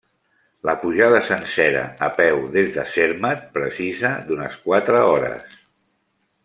La pujada sencera a peu des de Zermatt precisa d'unes quatre hores.